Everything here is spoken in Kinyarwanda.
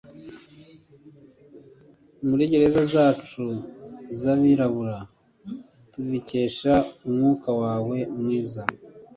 muri gereza zacu zabirabura tubikesha umwuka wawe mwiza